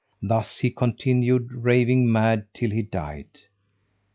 Thus he continued raving mad, till he died.